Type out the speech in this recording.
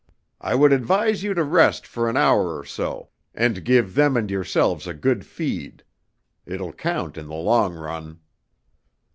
I would advise you to rest for an hour or so and give them and yourselves a good feed. It'll count in the long run."